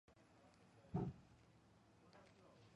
სულთან აბდულაზიზის დედა.